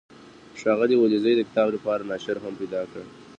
ښاغلي ولیزي د کتاب لپاره ناشر هم پیدا کړ.